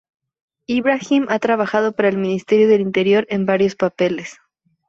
Ibrahim ha trabajado para el Ministerio del Interior en varios papeles.